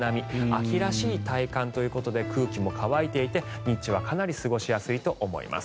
秋らしい体感ということで空気も乾いていて日中はかなり過ごしやすいと思います。